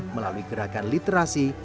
melalui gerakan literasi